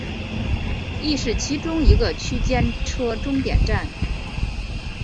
亦是其中一个区间车终点站。